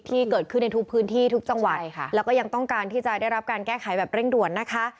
ที่เกิดขึ้นในทุกพื้นที่ทุกจังหวัดใช่ค่ะแล้วก็ยังต้องการที่จะได้รับการแก้ไขแบบเร่งด่วนนะคะ